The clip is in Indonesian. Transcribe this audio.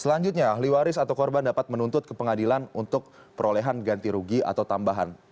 selanjutnya ahli waris atau korban dapat menuntut ke pengadilan untuk perolehan ganti rugi atau tambahan